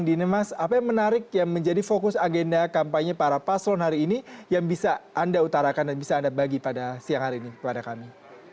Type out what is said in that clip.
dimas apa yang menarik yang menjadi fokus agenda kampanye para paslon hari ini yang bisa anda utarakan dan bisa anda bagi pada siang hari ini kepada kami